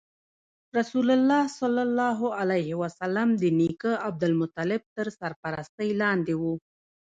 رسول الله ﷺ د نیکه عبدالمطلب تر سرپرستۍ لاندې و.